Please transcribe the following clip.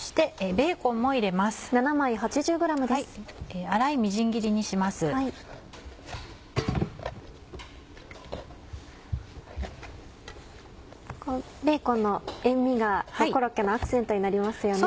ベーコンの塩味がコロッケのアクセントになりますよね。